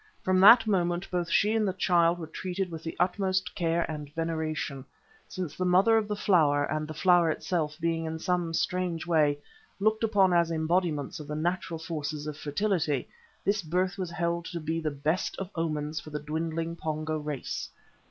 From that moment both she and the child were treated with the utmost care and veneration, since the Mother of the Flower and the Flower itself being in some strange way looked upon as embodiments of the natural forces of fertility, this birth was held to be the best of omens for the dwindling Pongo race.